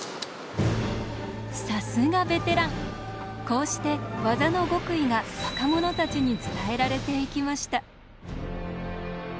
こうして技の極意が若者たちに伝えられていきました。